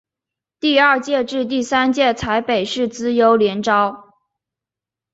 第二届至第三届采北市资优联招。